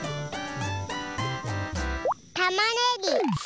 たまねぎ。